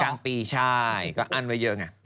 กลางปีใช่ก็อั้นไว้เยอะไง